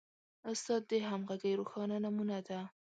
استاد د همغږۍ روښانه نمونه ده.